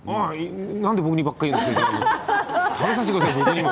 なんで僕にばっかり言うの？